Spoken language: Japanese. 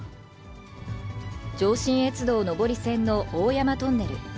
上信越道上り線の大山トンネル。